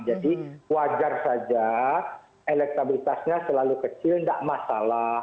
jadi wajar saja elektabilitasnya selalu kecil tidak masalah